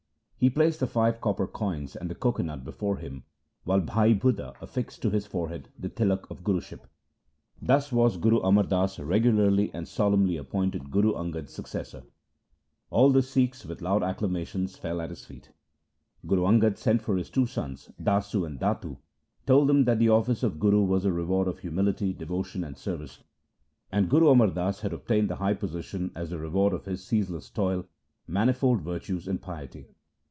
He placed the five copper coins and the coco nut before him while Bhai Budha affixed to his forehead the tilak of Guruship. Thus was Guru Amar Das regularly and solemnly appointed Guru Angad's 44 THE SIKH RELIGION successor. All the Sikhs, with loud acclamations, fell at his feet. Guru Angad sent for his two sons, Dasu and Datu, told them that the office of Guru was the reward of humility, devotion, and service; and Guru Amar Das had obtained the high position as the reward of his ceaseless toil, manifold virtues and piety.